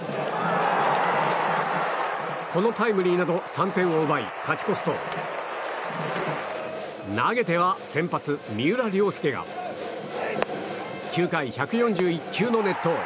このタイムリーなど、３点を奪い勝ち越すと投げては先発、三浦凌輔が９回、１４９球の熱投。